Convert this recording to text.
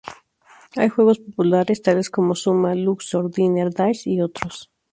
Hay juegos populares, tales como Zuma, Luxor, Diner Dash y otros.